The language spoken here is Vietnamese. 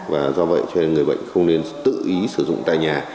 và do vậy cho nên người bệnh không nên tự ý sử dụng tại nhà